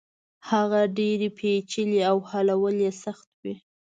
هغه ډېرې پېچلې او حلول يې سخت وي.